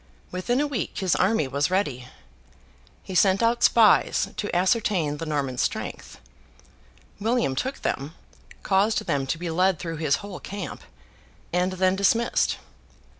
Within a week, his army was ready. He sent out spies to ascertain the Norman strength. William took them, caused them to be led through his whole camp, and then dismissed.